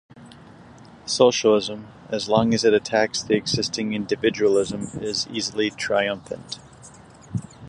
Socialism as long as it attacks the existing individualism, is easily triumphant.